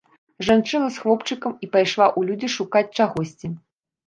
Жанчына з хлопчыкам і пайшла ў людзі шукаць чагосьці.